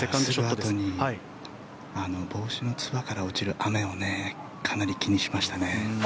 そのあとに帽子のつばから落ちる雨をかなり気にしましたね。